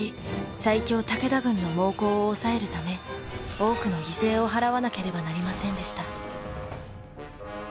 最強武田軍の猛攻を抑えるため多くの犠牲を払わなければなりませんでした。